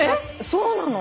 そうなの。